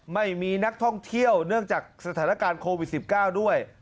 ไม่มีนักท่องเที่ยวเนื่องจากสถานการณ์โควิด๑๙ด้วย